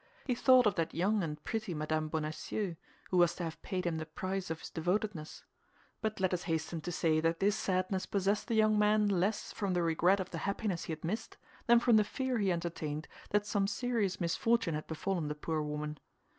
He thought of that young and pretty Mme. Bonacieux who was to have paid him the price of his devotedness; but let us hasten to say that this sadness possessed the young man less from the regret of the happiness he had missed, than from the fear he entertained that some serious misfortune had befallen the poor woman.